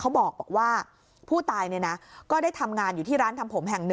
เขาบอกว่าผู้ตายเนี่ยนะก็ได้ทำงานอยู่ที่ร้านทำผมแห่ง๑